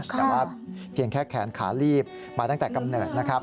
แต่ว่าเพียงแค่แขนขาลีบมาตั้งแต่กำเนิดนะครับ